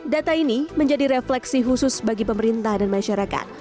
data ini menjadi refleksi khusus bagi pemerintah dan masyarakat